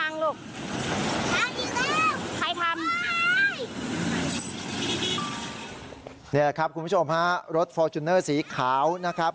นี่แหละครับคุณผู้ชมฮะรถฟอร์จูเนอร์สีขาวนะครับ